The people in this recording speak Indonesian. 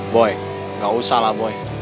boy gak usah lah boy